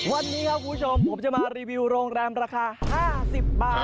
วันนี้ครับคุณผู้ชมผมจะมารีวิวโรงแรมราคา๕๐บาท